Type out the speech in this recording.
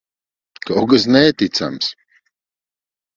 Kaut kas neticams!